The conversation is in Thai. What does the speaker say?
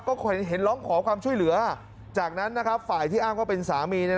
ก็เห็นร้องขอความช่วยเหลือจากนั้นฝ่ายที่อ้างว่าเป็นสามี